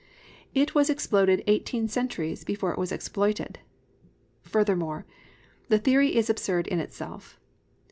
It was exploded eighteen centuries before it was exploited. Furthermore, the theory is absurd in itself.